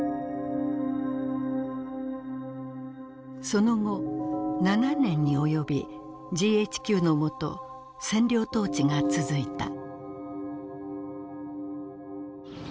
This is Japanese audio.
その後７年におよびＧＨＱのもと占領統治が続いた。